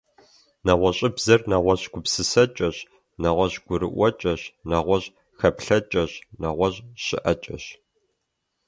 НэгъуэщӀыбзэр — нэгъуэщӀ гупсысэкӀэщ, нэгъуэщӀ гурыӀуэкӀэщ, нэгъуэщӀ хэплъэкӀэщ, нэгъуэщӀ щыӀэкӀэщ.